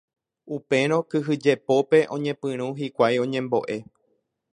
Upérõ kyhyjepópe oñepyrũ hikuái oñembo'e.